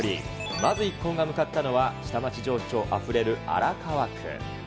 まず一行が向かったのは下町情緒あふれる荒川区。